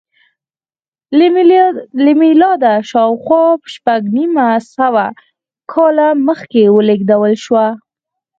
له میلاده شاوخوا شپږ نیم سوه کاله مخکې ولېږدول شوه